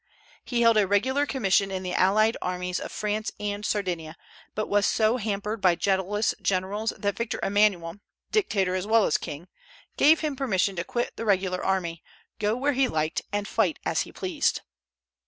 He held a regular commission in the allied armies of France and Sardinia, but was so hampered by jealous generals that Victor Emmanuel dictator as well as king gave him permission to quit the regular army, go where he liked, and fight as he pleased.